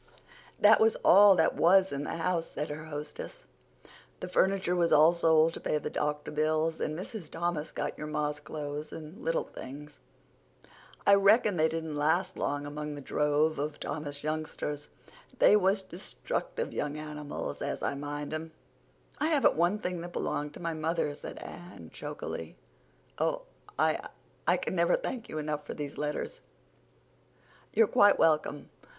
"That was all that was in the house," said her hostess. "The furniture was all sold to pay the doctor bills, and Mrs. Thomas got your ma's clothes and little things. I reckon they didn't last long among that drove of Thomas youngsters. They was destructive young animals, as I mind 'em." "I haven't one thing that belonged to my mother," said Anne, chokily. "I—I can never thank you enough for these letters." "You're quite welcome.